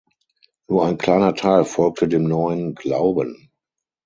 Nur ein kleiner Teil folgte dem neuen Glauben.